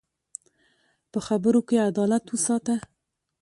په خبرو کې عدالت وساته